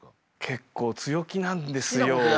結構強気なんですよ。